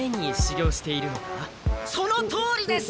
そのとおりです！